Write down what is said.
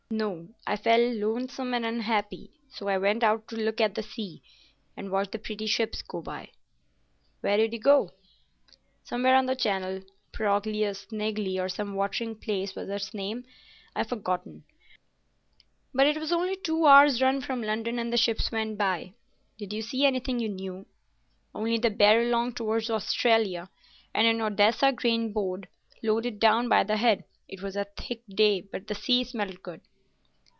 No, I felt lonesome and unhappy, so I went out to look at the sea, and watch the pretty ships go by." "Where did you go?" "Somewhere on the Channel. Progly or Snigly, or some watering place was its name; I've forgotten; but it was only two hours' run from London and the ships went by." "Did you see anything you knew?" "Only the Barralong outwards to Australia, and an Odessa grain boat loaded down by the head. It was a thick day, but the sea smelt good."